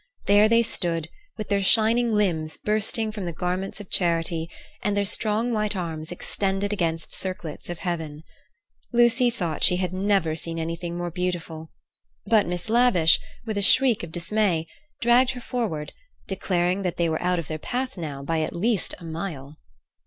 There they stood, with their shining limbs bursting from the garments of charity, and their strong white arms extended against circlets of heaven. Lucy thought she had never seen anything more beautiful; but Miss Lavish, with a shriek of dismay, dragged her forward, declaring that they were out of their path now by at least a mile.